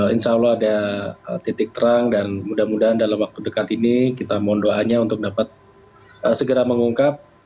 insya allah ada titik terang dan mudah mudahan dalam waktu dekat ini kita mohon doanya untuk dapat segera mengungkap